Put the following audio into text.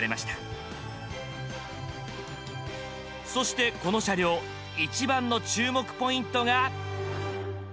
そしてこの車両一番の注目ポイントが。